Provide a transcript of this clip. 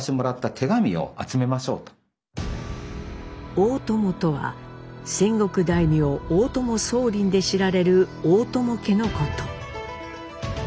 大友とは戦国大名大友宗麟で知られる「大友家」のこと。